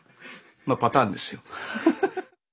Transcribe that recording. まあパターンですよ。